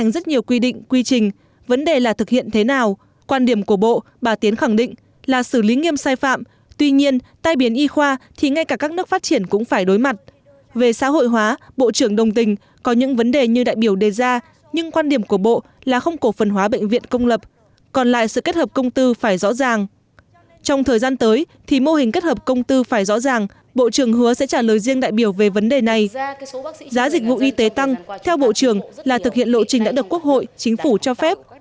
giá dịch vụ y tế tăng theo bộ trưởng là thực hiện lộ trình đã được quốc hội chính phủ cho phép